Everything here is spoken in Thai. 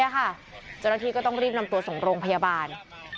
เจ้าหน้าที่ก็ต้องรีบนำตัวส่งโรงพยาบาล